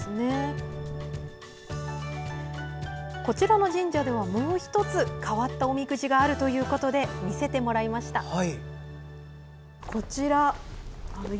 こちらの神社ではもう１つ、変わったおみくじがあるということで見せてもらいました。